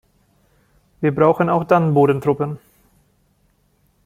Wir brauchen auch dann Bodentruppen.